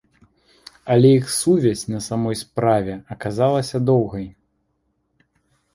Але іх сувязь на самой справе аказалася доўгай.